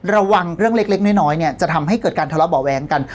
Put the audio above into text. ระวังเรื่องเล็กน้อยเนี่ยจะทำให้เกิดการทะเลาะเบาะแว้งกัน